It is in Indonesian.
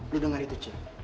lo dengar itu cik